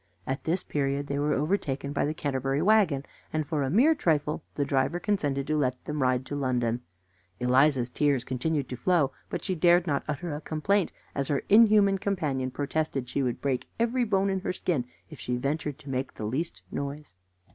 At this period they were overtaken by the Canterbury wagon, and for a mere trifle the driver consented to let them ride to London. Eliza's tears continued to flow, but she dared not utter a complaint, as her inhuman companion protested she would break every bone in her skin if she ventured to make the least noise.